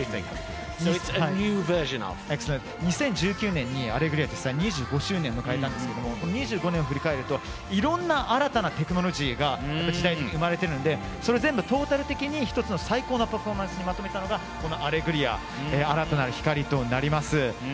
２０１９年に「アレグリア」は２５周年を迎えたんですがこの２５年を振り返るといろんな新たなテクノロジーが生まれているのでそれを全部トータル的に１つの最高なパフォーマンスにまとめたのがこの「アレグリア‐新たなる光‐」となります。